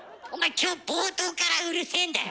今日冒頭からうるせえんだよ！